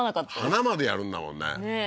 花までやるんだもんねねえ